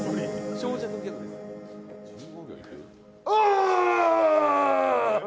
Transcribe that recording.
あ！